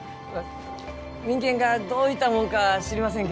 民権がどういたもんか知りません